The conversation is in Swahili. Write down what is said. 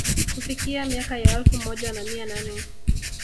Kufikia miaka ya elfu moja na mia nane